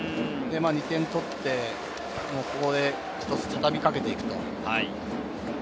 ２点取って、ここでたたみかけていくと。